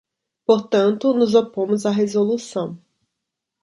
Portanto, nos opomos à resolução.